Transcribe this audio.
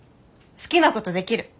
好きなことできる。